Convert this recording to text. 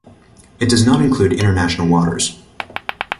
It does not include international waters.